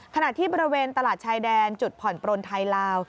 ขณะที่บริเวณตลาดชายแดนจุดผ่อนปลนไทยลาว